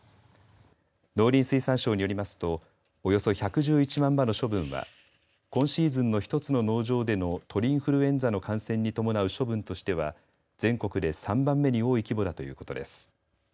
農林水産省によりますとおよそ１１１万羽の処分は今シーズンの１つの農場での鳥インフルエンザの感染に伴う処分としては全国で３番目に多い規模だということです。